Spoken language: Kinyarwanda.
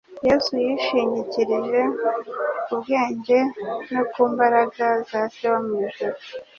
Yesu yishingikirije ku bwenge no ku mbaraga za Se wo mu ijuru.